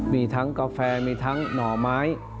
มีทั้งกาแฟมีทั้งหน่อไม้